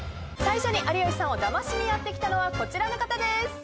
最初に有吉さんをダマしにやって来たのはこちらの方です。